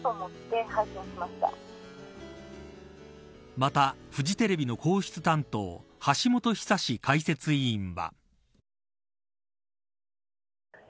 また、フジテレビの皇室担当橋本寿史解説委員は。